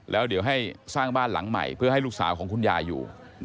แล้วเดี๋ยวให้สร้างบ้านหลังใหม่เพื่อให้ลูกสาวของคุณยายอยู่